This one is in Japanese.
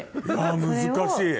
あ難しい。